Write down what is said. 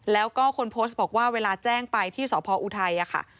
แล้วก็คนโพสต์บอกว่าเวลาแจ้งไปที่สพออุทัยค่ะ